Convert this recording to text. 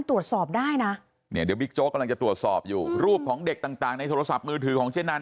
ตรวจสอบได้นะเนี่ยเดี๋ยวบิ๊กโจ๊กกำลังจะตรวจสอบอยู่รูปของเด็กต่างในโทรศัพท์มือถือของเจ๊นัน